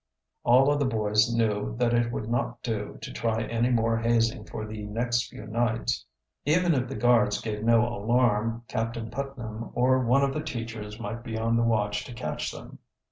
All of the boys knew that it would not do to try any more hazing for the next few nights. Even if the guards gave no alarm, Captain Putnam or one of the teachers might be on the watch to catch them.